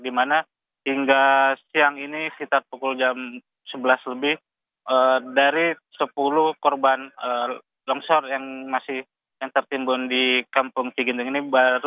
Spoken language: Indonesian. di mana hingga siang ini sekitar pukul jam sebelas lebih dari sepuluh korban longsor yang masih yang tertimbun di kampung cigendeng ini